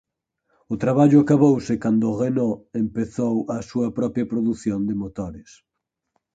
O traballo acabouse cando Renault empezou a súa propia produción de motores.